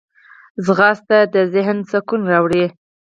ځغاسته د ذهن سکون راوړي